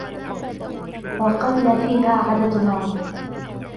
وَقَلَّ فِيهَا عَدَدُنَا